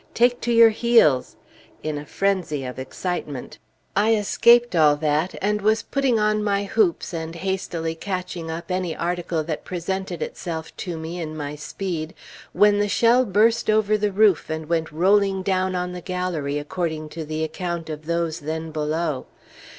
Take to your heels!" in a frenzy of excitement. I escaped all that, and was putting on my hoops and hastily catching up any article that presented itself to me in my speed, when the shell burst over the roof, and went rolling down on the gallery, according to the account of those then below.